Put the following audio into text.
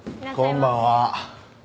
こんばんは。